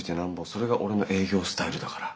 それが俺の営業スタイルだから。